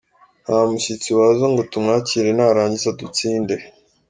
Nta mushyitsi waza ngo tumwakire narangiza adutsinde.